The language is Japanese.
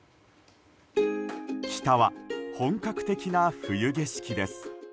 北は本格的な冬景色です。